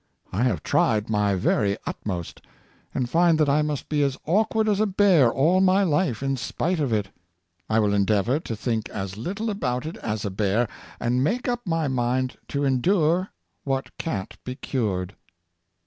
I have tried my very utmost, and find that I must be as awkward as a bear all my life, in spite of it. I will endeavor to think as little about it as a bear, and make up my mind to endure what can't be cured."